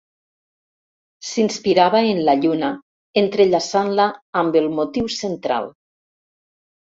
S'inspirava en la lluna, entrellaçant-la amb el motiu central.